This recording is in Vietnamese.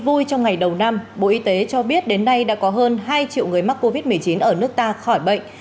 vui trong ngày đầu năm bộ y tế cho biết đến nay đã có hơn hai triệu người mắc covid một mươi chín ở nước ta khỏi bệnh